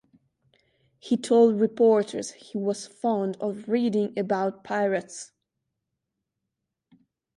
He told reporters he was fond of reading about pirates.